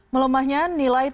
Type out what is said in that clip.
melomahnya nilai tukar rupiah